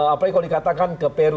apalagi kalau dikatakan ke peru